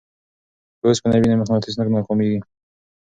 که اوسپنه وي نو مقناطیس نه ناکامیږي.